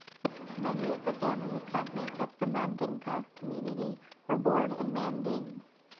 Many of the families that make up the Mandinka community were born in Manding.